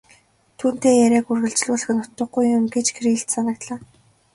Түүнтэй яриаг үргэжлүүлэх нь утгагүй юм гэж Кириллд санагдлаа.